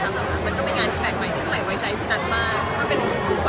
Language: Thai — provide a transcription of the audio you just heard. อันนั้นค่ะเป็นการถ่ายภาพแบบนั้นประมาณนั้นค่ะ